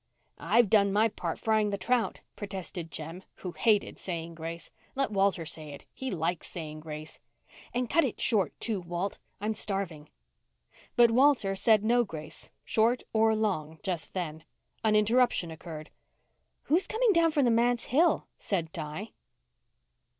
"I've done my part frying the trout," protested Jem, who hated saying grace. "Let Walter say it. He likes saying grace. And cut it short, too, Walt. I'm starving." But Walter said no grace, short or long, just then. An interruption occurred. "Who's coming down from the manse hill?" said Di.